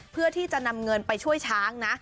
เพื่อที่จะนำเงินไปช่วยช้างนะ